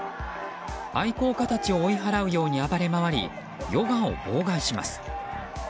愛好家たちを追い払うように暴れ回りヨガを妨害します。